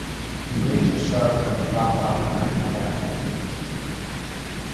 He later served as a rabbi at Gaza.